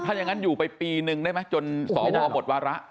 ถ้ายังงั้นอยู่ไปปีนึงได้มั้ยจนสอวรหมดวาระ